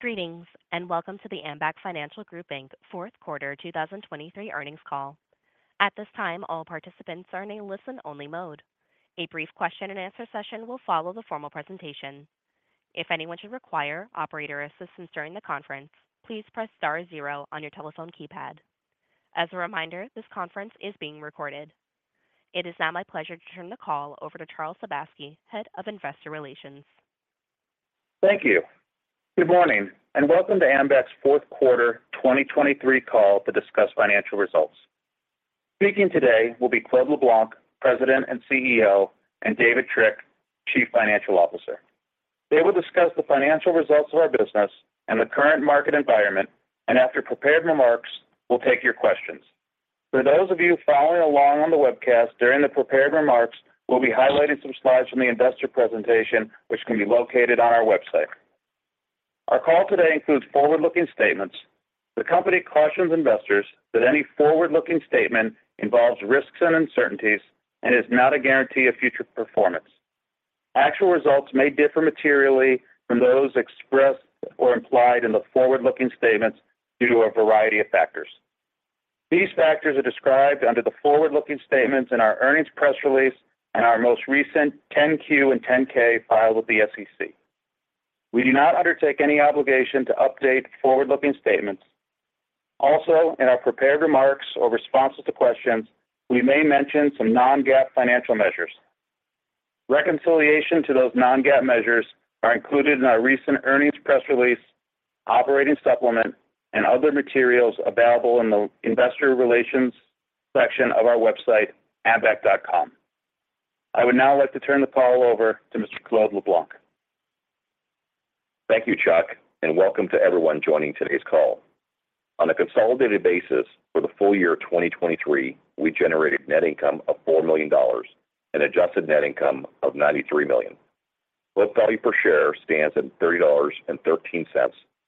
Greetings and welcome to the Ambac Financial Group Inc. fourth quarter 2023 earnings call. At this time, all participants are in a listen-only mode. A brief question-and-answer session will follow the formal presentation. If anyone should require operator assistance during the conference, please press star zero on your telephone keypad. As a reminder, this conference is being recorded. It is now my pleasure to turn the call over to Charles Sebaski, head of investor relations. Thank you. Good morning and welcome to Ambac's fourth quarter 2023 call to discuss financial results. Speaking today will be Claude LeBlanc, President and CEO, and David Trick, Chief Financial Officer. They will discuss the financial results of our business and the current market environment, and after prepared remarks, we'll take your questions. For those of you following along on the webcast during the prepared remarks, we'll be highlighting some slides from the investor presentation, which can be located on our website. Our call today includes forward-looking statements. The company cautions investors that any forward-looking statement involves risks and uncertainties and is not a guarantee of future performance. Actual results may differ materially from those expressed or implied in the forward-looking statements due to a variety of factors. These factors are described under the forward-looking statements in our earnings press release and our most recent 10-Q and 10-K filed with the SEC. We do not undertake any obligation to update forward-looking statements. Also, in our prepared remarks or responses to questions, we may mention some non-GAAP financial measures. Reconciliation to those non-GAAP measures are included in our recent earnings press release, operating supplement, and other materials available in the investor relations section of our website, ambac.com. I would now like to turn the call over to Mr. Claude LeBlanc. Thank you, Chuck, and welcome to everyone joining today's call. On a consolidated basis for the full year 2023, we generated net income of $4 million and adjusted net income of $93 million. Book value per share stands at $30.13,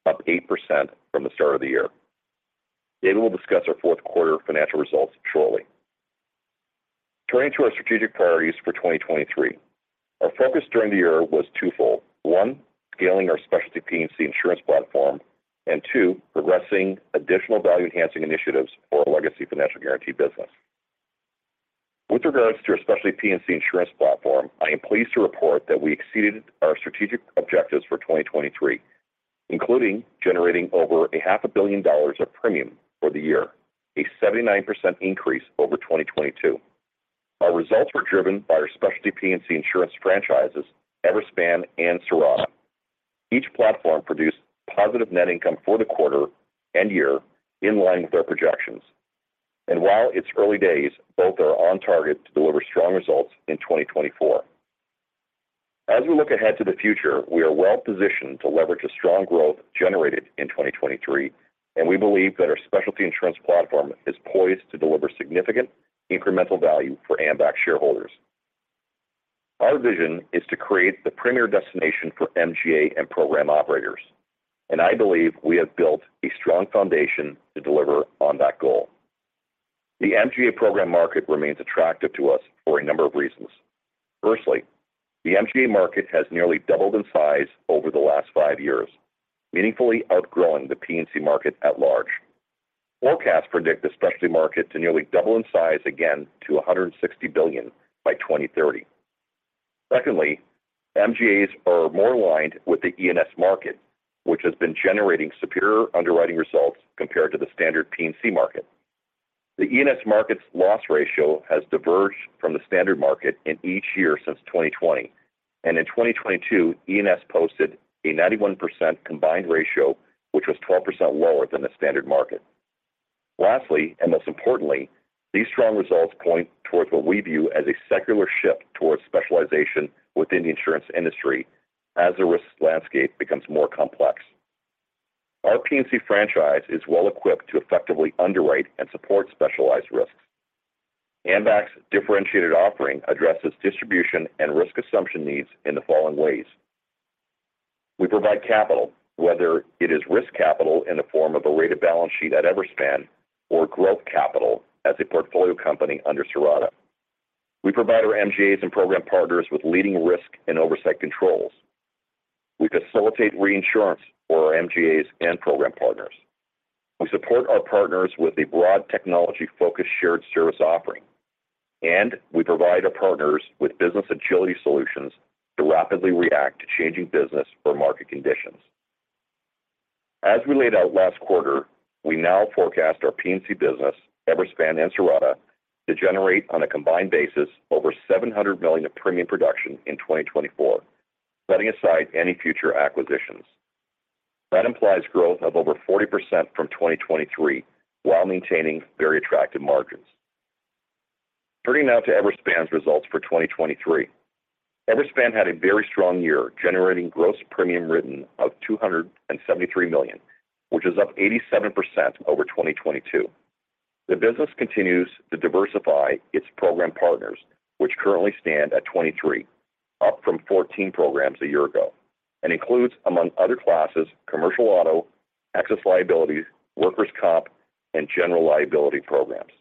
up 8% from the start of the year. David will discuss our fourth quarter financial results shortly. Turning to our strategic priorities for 2023, our focus during the year was twofold: one, scaling our specialty P&C insurance platform; and two, progressing additional value-enhancing initiatives for our legacy financial guarantee business. With regards to our specialty P&C insurance platform, I am pleased to report that we exceeded our strategic objectives for 2023, including generating over $500 million of premium for the year, a 79% increase over 2022. Our results were driven by our specialty P&C insurance franchises, Everspan and Cirrata. Each platform produced positive net income for the quarter and year in line with our projections, and while it's early days, both are on target to deliver strong results in 2024. As we look ahead to the future, we are well positioned to leverage a strong growth generated in 2023, and we believe that our specialty insurance platform is poised to deliver significant incremental value for Ambac shareholders. Our vision is to create the premier destination for MGA and program operators, and I believe we have built a strong foundation to deliver on that goal. The MGA program market remains attractive to us for a number of reasons. Firstly, the MGA market has nearly doubled in size over the last five years, meaningfully outgrowing the P&C market at large. Forecasts predict the specialty market to nearly double in size again to $160 billion by 2030. Secondly, MGAs are more aligned with the E&S market, which has been generating superior underwriting results compared to the standard P&C market. The E&S market's loss ratio has diverged from the standard market in each year since 2020, and in 2022, E&S posted a 91% combined ratio, which was 12% lower than the standard market. Lastly, and most importantly, these strong results point towards what we view as a secular shift towards specialization within the insurance industry as the risk landscape becomes more complex. Our P&C franchise is well equipped to effectively underwrite and support specialized risks. Ambac's differentiated offering addresses distribution and risk assumption needs in the following ways. We provide capital, whether it is risk capital in the form of a rated of balance sheet at Everspan or growth capital as a portfolio company under Cirrata. We provide our MGAs and program partners with leading risk and oversight controls. We facilitate reinsurance for our MGAs and program partners. We support our partners with a broad technology-focused shared service offering, and we provide our partners with business agility solutions to rapidly react to changing business or market conditions. As we laid out last quarter, we now forecast our P&C business, Everspan and Cirrata, to generate on a combined basis over $700 million of premium production in 2024, setting aside any future acquisitions. That implies growth of over 40% from 2023 while maintaining very attractive margins. Turning now to Everspan's results for 2023. Everspan had a very strong year generating gross premium written of $273 million, which is up 87% over 2022. The business continues to diversify its program partners, which currently stand at 23, up from 14 programs a year ago, and includes, among other classes, commercial auto, excess liabilities, workers' comp, and general liability programs.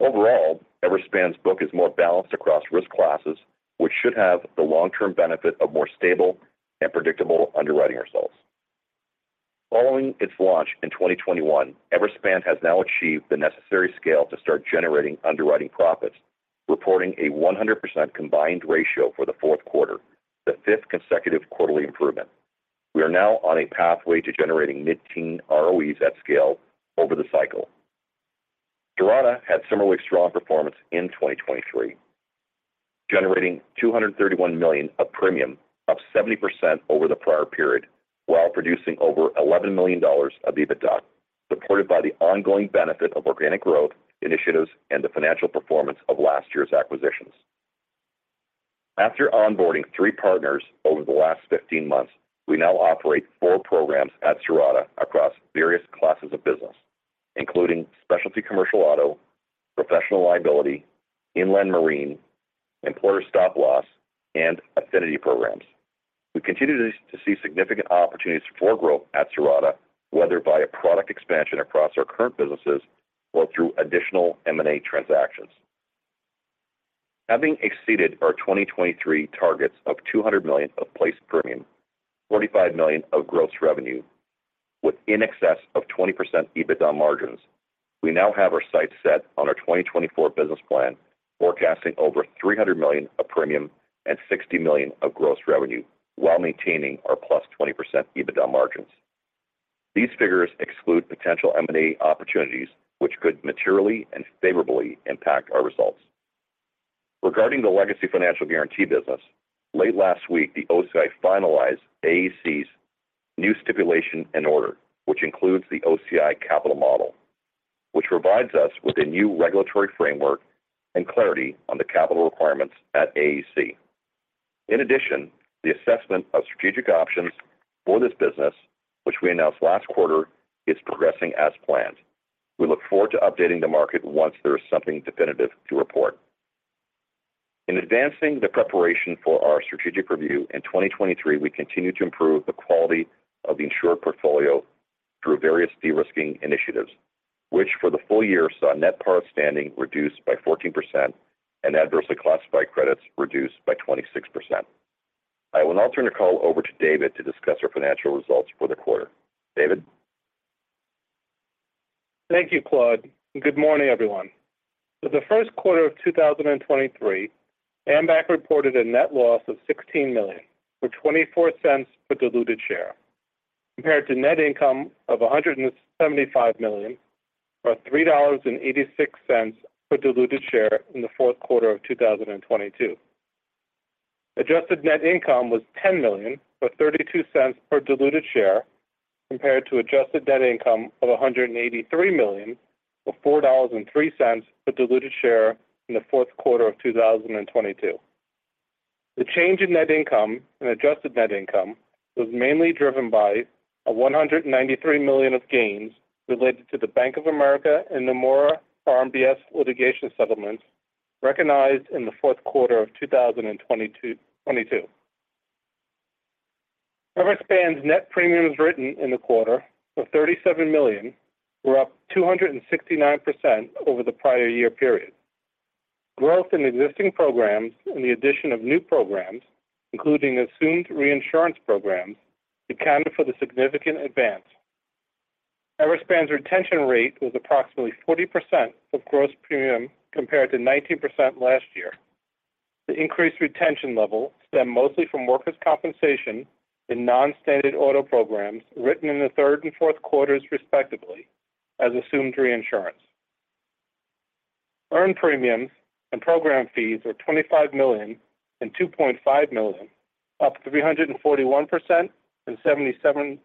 Overall, Everspan's book is more balanced across risk classes, which should have the long-term benefit of more stable and predictable underwriting results. Following its launch in 2021, Everspan has now achieved the necessary scale to start generating underwriting profits, reporting a 100% combined ratio for the fourth quarter, the fifth consecutive quarterly improvement. We are now on a pathway to generating mid-teens ROEs at scale over the cycle. Cirrata had similarly strong performance in 2023, generating $231 million of premium up 70% over the prior period while producing over $11 million of EBITDA, supported by the ongoing benefit of organic growth initiatives and the financial performance of last year's acquisitions. After onboarding three partners over the last 15 months, we now operate four programs at Cirrata across various classes of business, including specialty commercial auto, professional liability, inland marine, employer stop loss, and affinity programs. We continue to see significant opportunities for growth at Cirrata, whether via product expansion across our current businesses or through additional M&A transactions. Having exceeded our 2023 targets of $200 million of placed premium, $45 million of gross revenue, with in excess of 20% EBITDA margins, we now have our sights set on our 2024 business plan forecasting over $300 million of premium and $60 million of gross revenue while maintaining our plus 20% EBITDA margins. These figures exclude potential M&A opportunities, which could materially and favorably impact our results. Regarding the legacy financial guarantee business, late last week, the OCI finalized AAC's new stipulation and order, which includes the OCI capital model, which provides us with a new regulatory framework and clarity on the capital requirements at AAC. In addition, the assessment of strategic options for this business, which we announced last quarter, is progressing as planned. We look forward to updating the market once there is something definitive to report. In advancing the preparation for our strategic review in 2023, we continue to improve the quality of the insured portfolio through various derisking initiatives, which for the full year saw net par outstanding reduced by 14% and adversely classified credits reduced by 26%. I will now turn the call over to David to discuss our financial results for the quarter. David? Thank you, Claude. Good morning, everyone. For the first quarter of 2023, Ambac reported a net loss of $16 million or $0.24 per diluted share, compared to net income of $175 million or $3.86 per diluted share in the fourth quarter of 2022. Adjusted net income was $10 million or $0.32 per diluted share, compared to adjusted net income of $183 million or $4.03 per diluted share in the fourth quarter of 2022. The change in net income and adjusted net income was mainly driven by a $193 million of gains related to the Bank of America and Nomura RMBS litigation settlements recognized in the fourth quarter of 2022. Everspan's net premiums written in the quarter of $37 million were up 269% over the prior year period. Growth in existing programs and the addition of new programs, including assumed reinsurance programs, accounted for the significant advance. Everspan's retention rate was approximately 40% of gross premium compared to 19% last year. The increased retention level stemmed mostly from workers' compensation and non-standard auto programs written in the third and fourth quarters, respectively, as assumed reinsurance. Earned premiums and program fees were $25 million and $2.5 million, up 341% and 77%,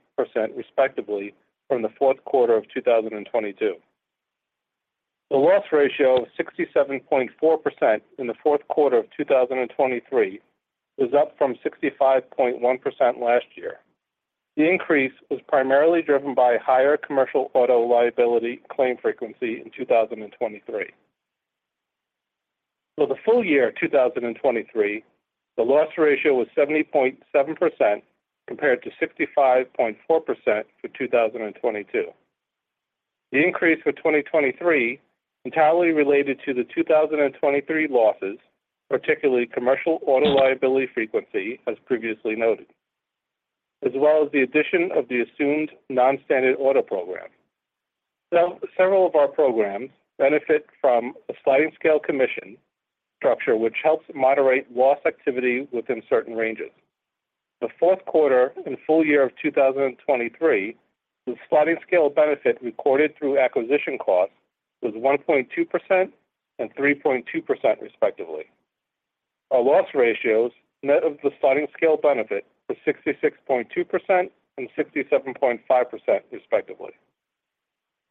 respectively, from the fourth quarter of 2022. The loss ratio of 67.4% in the fourth quarter of 2023 was up from 65.1% last year. The increase was primarily driven by higher commercial auto liability claim frequency in 2023. For the full year 2023, the loss ratio was 70.7% compared to 65.4% for 2022. The increase for 2023 entirely related to the 2023 losses, particularly commercial auto liability frequency, as previously noted, as well as the addition of the assumed non-standard auto program. Several of our programs benefit from a sliding scale commission structure, which helps moderate loss activity within certain ranges. The fourth quarter and full year of 2023, the sliding scale benefit recorded through acquisition costs was 1.2% and 3.2%, respectively. Our loss ratios net of the sliding scale benefit were 66.2% and 67.5%, respectively.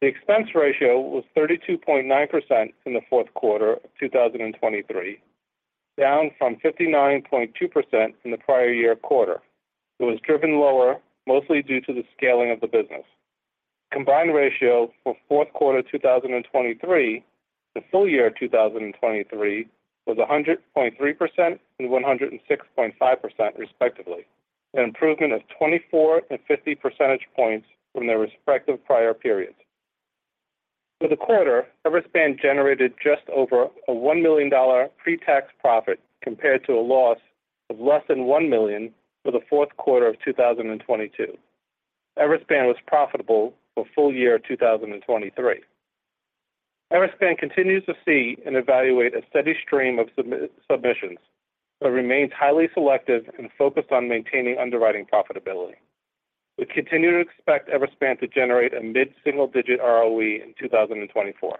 The expense ratio was 32.9% in the fourth quarter of 2023, down from 59.2% in the prior year quarter. It was driven lower, mostly due to the scaling of the business. The combined ratio for fourth quarter 2023 to full year 2023 was 100.3% and 106.5%, respectively, an improvement of 24 and 50 percentage points from their respective prior periods. For the quarter, Everspan generated just over a $1 million pre-tax profit compared to a loss of less than $1 million for the fourth quarter of 2022. Everspan was profitable for full year 2023. Everspan continues to see and evaluate a steady stream of submissions, but remains highly selective and focused on maintaining underwriting profitability. We continue to expect Everspan to generate a mid-single digit ROE in 2024.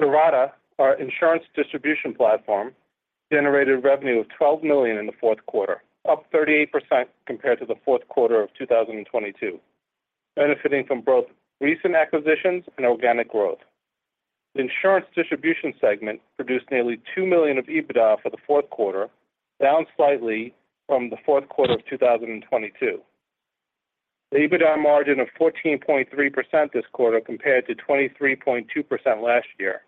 Cirrata, our insurance distribution platform, generated revenue of $12 million in the fourth quarter, up 38% compared to the fourth quarter of 2022, benefiting from both recent acquisitions and organic growth. The insurance distribution segment produced nearly $2 million of EBITDA for the fourth quarter, down slightly from the fourth quarter of 2022. The EBITDA margin of 14.3% this quarter compared to 23.2% last year.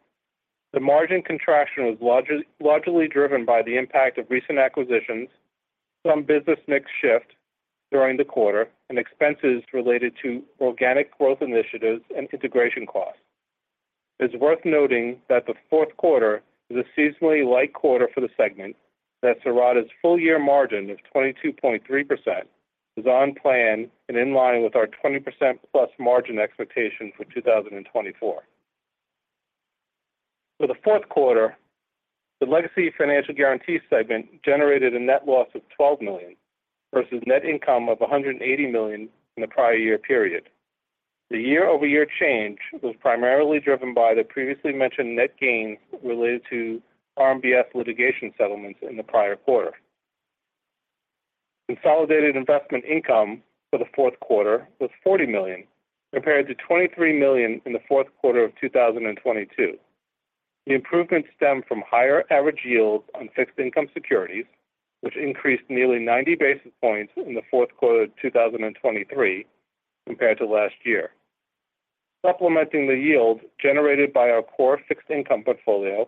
The margin contraction was largely driven by the impact of recent acquisitions, some business mix shift during the quarter, and expenses related to organic growth initiatives and integration costs. It's worth noting that the fourth quarter is a seasonally light quarter for the segment, that Cirrata's full year margin of 22.3% is on plan and in line with our 20% plus margin expectation for 2024. For the fourth quarter, the legacy financial guarantee segment generated a net loss of $12 million versus net income of $180 million in the prior year period. The year-over-year change was primarily driven by the previously mentioned net gains related to RMBS litigation settlements in the prior quarter. Consolidated investment income for the fourth quarter was $40 million compared to $23 million in the fourth quarter of 2022. The improvement stemmed from higher average yields on fixed income securities, which increased nearly 90 basis points in the fourth quarter of 2023 compared to last year. Supplementing the yield generated by our core fixed income portfolio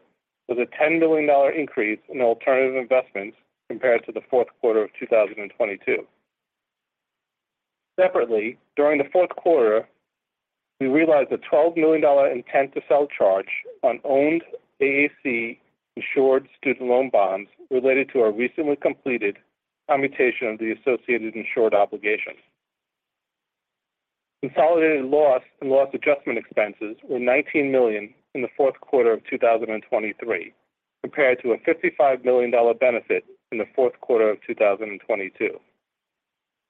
was a $10 million increase in alternative investments compared to the fourth quarter of 2022. Separately, during the fourth quarter, we realized a $12 million intent to sell charge on owned AAC insured student loan bonds related to our recently completed commutation of the associated insured obligations. Consolidated loss and loss adjustment expenses were $19 million in the fourth quarter of 2023 compared to a $55 million benefit in the fourth quarter of 2022.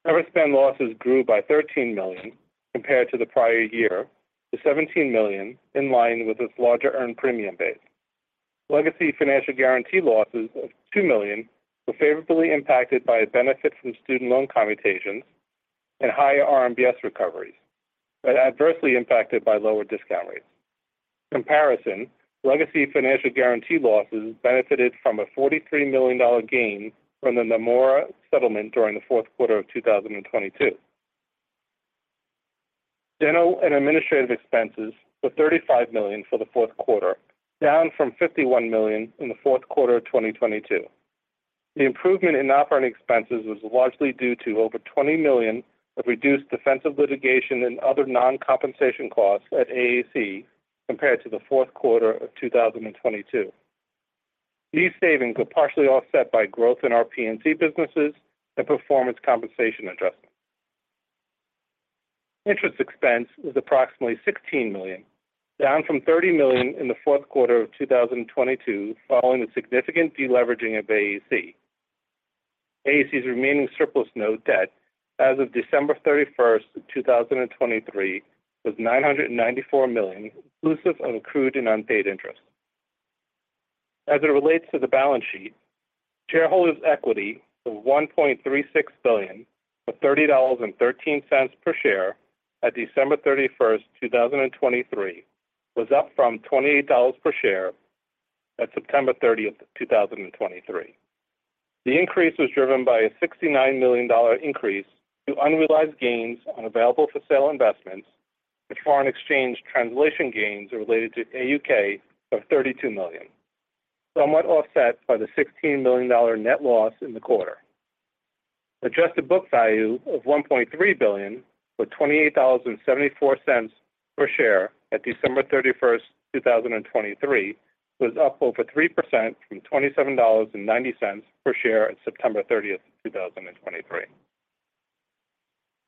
Everspan losses grew by $13 million compared to the prior year to $17 million, in line with its larger earned premium base. Legacy financial guarantee losses of $2 million were favorably impacted by a benefit from student loan commutations and higher RMBS recoveries, but adversely impacted by lower discount rates. In comparison, legacy financial guarantee losses benefited from a $43 million gain from the Nomura settlement during the fourth quarter of 2022. General and administrative expenses were $35 million for the fourth quarter, down from $51 million in the fourth quarter of 2022. The improvement in operating expenses was largely due to over $20 million of reduced defensive litigation and other non-compensation costs at AAC compared to the fourth quarter of 2022. These savings were partially offset by growth in our P&C businesses and performance compensation adjustments. Interest expense was approximately $16 million, down from $30 million in the fourth quarter of 2022 following the significant deleveraging of AAC. AAC's remaining surplus note debt as of December 31st, 2023, was $994 million, inclusive of accrued and unpaid interest. As it relates to the balance sheet, shareholders' equity of $1.36 billion or $30.13 per share at December 31st, 2023, was up from $28 per share at September 30th, 2023. The increase was driven by a $69 million increase to unrealized gains on available for sale investments and foreign exchange translation gains related to AUK of $32 million, somewhat offset by the $16 million net loss in the quarter. Adjusted book value of $1.3 billion or $28.74 per share at December 31st, 2023, was up over 3% from $27.90 per share at September 30th, 2023.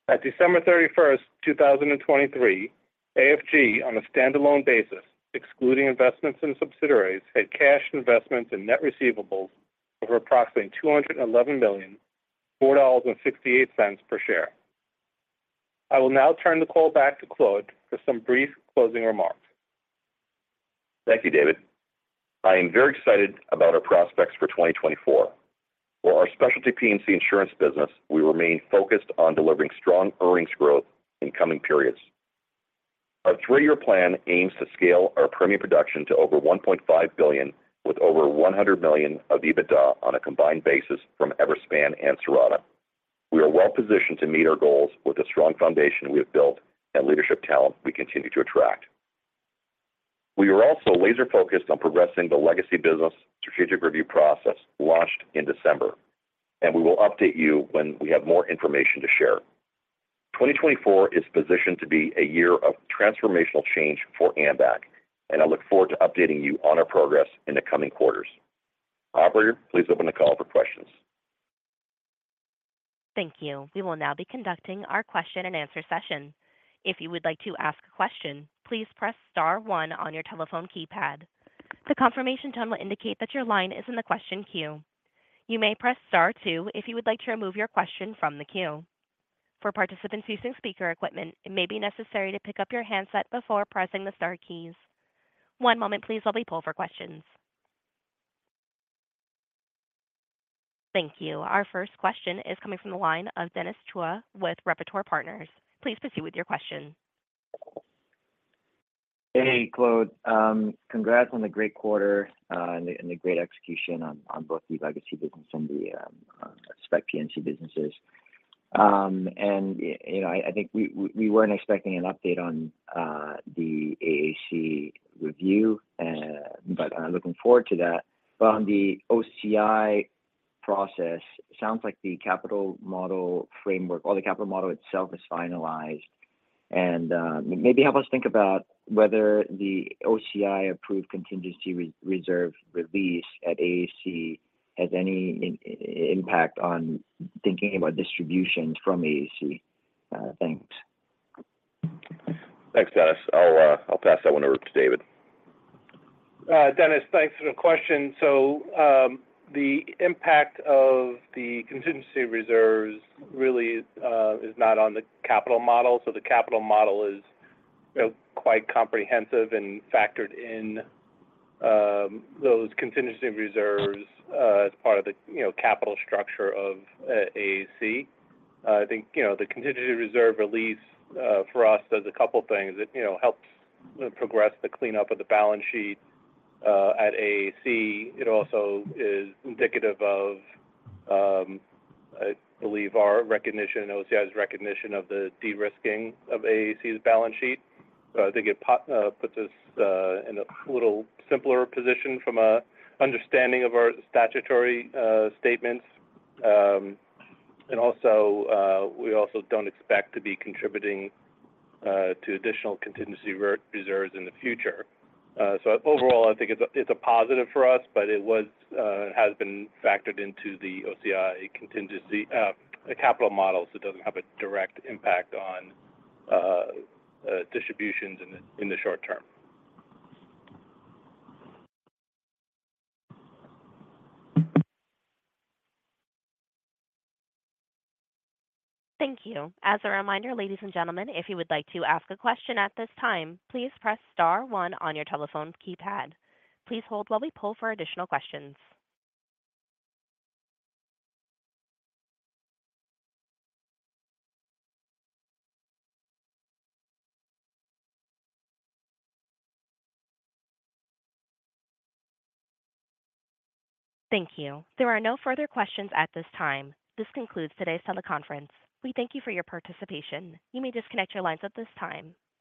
At December 31st, 2023, AFG, on a standalone basis, excluding investments in subsidiaries, had cash investments and net receivables of approximately $211 million, $4.68 per share. I will now turn the call back to Claude for some brief closing remarks. Thank you, David. I am very excited about our prospects for 2024. For our specialty P&C insurance business, we remain focused on delivering strong earnings growth in coming periods. Our three-year plan aims to scale our premium production to over $1.5 billion with over $100 million of EBITDA on a combined basis from Everspan and Cirrata. We are well positioned to meet our goals with the strong foundation we have built and leadership talent we continue to attract. We are also laser-focused on progressing the legacy business strategic review process launched in December, and we will update you when we have more information to share. 2024 is positioned to be a year of transformational change for Ambac, and I look forward to updating you on our progress in the coming quarters. Operator, please open the call for questions. Thank you. We will now be conducting our question-and-answer session. If you would like to ask a question, please press star one on your telephone keypad. The confirmation tone will indicate that your line is in the question queue. You may press star two if you would like to remove your question from the queue. For participants using speaker equipment, it may be necessary to pick up your handset before pressing the star keys. One moment, please, while we pull for questions. Thank you. Our first question is coming from the line of Dennis Chua with Repertoire Partners. Please proceed with your question. Hey, Claude. Congrats on the great quarter and the great execution on both the legacy business and the specialty P&C businesses. I think we weren't expecting an update on the AAC review, but I'm looking forward to that. Well, on the OCI process, it sounds like the capital model framework or the capital model itself is finalized. Maybe help us think about whether the OCI-approved contingency reserve release at AAC has any impact on thinking about distributions from AAC. Thanks. Thanks, Dennis. I'll pass that one over to David. Dennis, thanks for the question. So the impact of the contingency reserves really is not on the capital model. So the capital model is quite comprehensive and factored in those contingency reserves as part of the capital structure of AAC. I think the contingency reserve release for us does a couple of things. It helps progress the cleanup of the balance sheet at AAC. It also is indicative of, I believe, our recognition, OCI's recognition of the derisking of AAC's balance sheet. So I think it puts us in a little simpler position from an understanding of our statutory statements. And we also don't expect to be contributing to additional contingency reserves in the future. So overall, I think it's a positive for us, but it has been factored into the OCI contingency capital model. So it doesn't have a direct impact on distributions in the short term. Thank you. As a reminder, ladies and gentlemen, if you would like to ask a question at this time, please press star one on your telephone keypad. Please hold while we pull for additional questions. Thank you. There are no further questions at this time. This concludes today's teleconference. We thank you for your participation. You may disconnect your lines at this time.